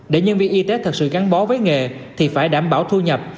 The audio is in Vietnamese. để nhân viên y tế thật sự gắn bó với nghề thì phải đảm bảo thu nhập